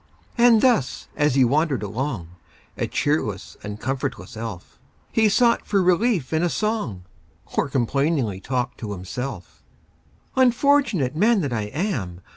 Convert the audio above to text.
And thus as he wandered along, A cheerless and comfortless elf, He sought for relief in a song, Or complainingly talked to himself:— "Unfortunate man that I am!